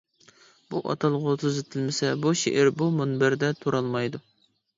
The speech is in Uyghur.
بۇ ئاتالغۇ تۈزىتىلمىسە، بۇ شېئىر بۇ مۇنبەردە تۇرالمايدۇ.